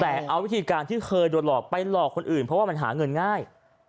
แต่เอาวิธีการที่เคยโดนหลอกไปหลอกคนอื่นเพราะว่ามันหาเงินง่าย